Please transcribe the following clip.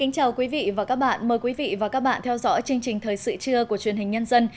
chào mừng quý vị đến với bộ phim thời sự trưa của chuyên hình nhân dân